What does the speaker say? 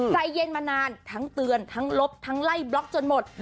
ใจเย็นมานานทั้งเตือนทั้งลบทั้งไล่บล็อกจนหมด